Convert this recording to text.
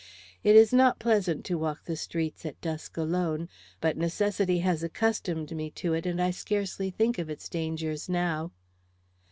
"It is not pleasant to walk the streets at dusk alone, but necessity has accustomed me to it, and I scarcely think of its dangers now."